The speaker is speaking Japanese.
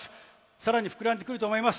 さらに膨らんでくると思います。